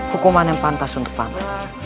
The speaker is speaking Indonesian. hukuman yang pantas untuk pamit